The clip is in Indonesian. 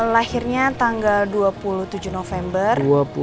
lahirnya tanggal dua puluh tujuh november